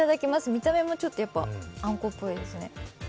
見た目もちょっと、あんこっぽいですね。